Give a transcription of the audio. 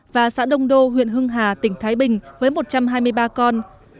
và xã đông đô huyện hưng hà tỉnh thái bình với một trăm hai mươi ba con